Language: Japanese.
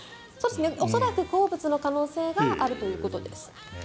恐らく好物の可能性があるということです。